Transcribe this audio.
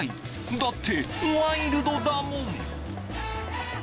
だってワイルドだもん！